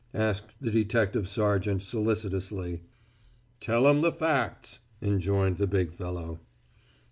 asked the detective sergeant, solicitously. "Tell 'em the facts," enjoined the big fellow.